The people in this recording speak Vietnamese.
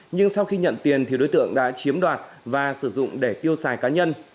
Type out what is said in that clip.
nhưng sau khi nhận tiền thì đối tượng đã chiếm đoạt và sử dụng để tiêu xài cá nhân